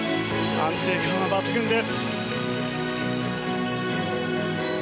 安定感は抜群です。